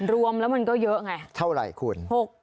รวมแล้วมันก็เยอะไงเท่าไหร่คุณ